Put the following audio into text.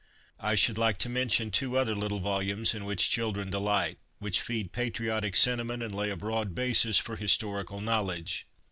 I should like to mention two other little volumes in which children delight, which feed patriotic senti ment and lay a broad basis for historical knowledge.